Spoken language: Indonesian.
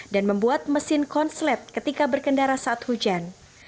dan membuat mesin konslet ketika berkendara saat hujan